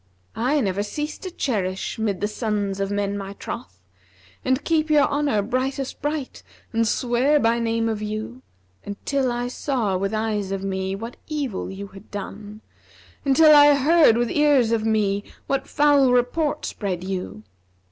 I never ceased to cherish mid the sons of men my troth, * And keep your honour brightest bright and swear by name of you Until I saw with eyes of me what evil you had done; * Until I heard with ears of me what foul report spread you.